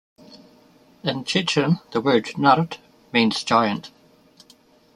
In Chechen the word "nart" means "giant".